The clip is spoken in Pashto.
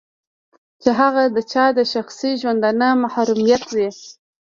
چې هغه د چا د شخصي ژوندانه محرمات وي.